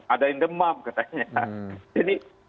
ada yang demam katanya